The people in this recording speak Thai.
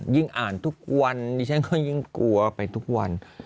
อ่านทุกวันดิฉันก็ยิ่งกลัวไปทุกวัน